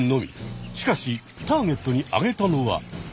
しかしターゲットに挙げたのは。